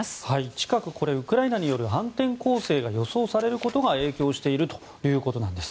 近くウクライナによる反転攻勢が予想されることが影響しているということです。